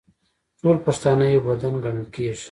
ټول پښتانه یو بدن ګڼل کیږي.